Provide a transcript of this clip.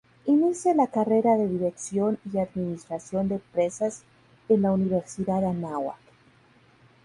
Inicia la carrera de Dirección y Administración de Empresas en la Universidad Anáhuac.